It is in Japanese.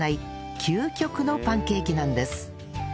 究極のパンケーキなんです